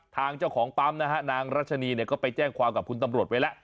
ทางเจ้าของปั๊มนะฮะนางรัชนีเนี่ยก็ไปแจ้งความกับคุณตำรวจไว้แล้ว